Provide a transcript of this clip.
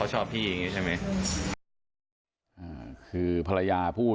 ถ้าชอบเหยื่อตอนจบใช่แต่ไม่เคยคุยกับมัน